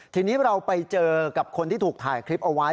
ทีนี้เราไปเจอกับคนที่ถูกถ่ายคลิปเอาไว้